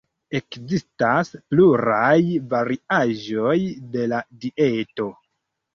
Ekzistas pluraj variaĵoj de la dieto.